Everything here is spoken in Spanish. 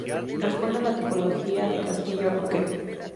Responde a la tipología de castillo roquero.